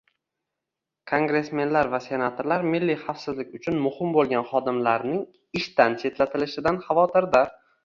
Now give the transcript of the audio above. Kongressmenlar va senatorlar milliy xavfsizlik uchun muhim bo‘lgan xodimlarning ishdan chetlatilishidan xavotirda